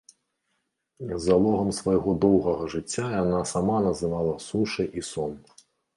Залогам свайго доўгага жыцця яна сама называла сушы і сон.